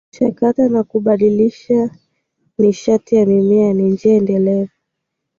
Kuchakata na kubadili nishati ya mimea ni njia endelevu